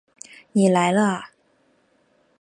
你来了啊